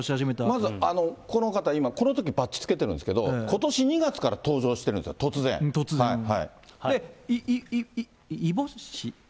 まず、この方、今、このときバッジつけてるんですけど、ことし２月から登場してるんです、突異母姉？